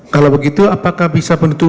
kalau begitu apakah bisa menentukan